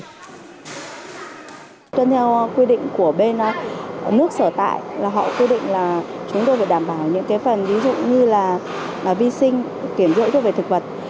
theo quy định của bên nước sở tại là họ quy định là chúng tôi phải đảm bảo những cái phần ví dụ như là vi sinh kiểm dưỡng thuốc vải thực vật